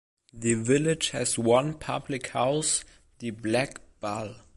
The village has one public house, The Black Bull.